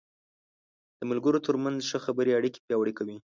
د ملګرو تر منځ ښه خبرې اړیکې پیاوړې کوي.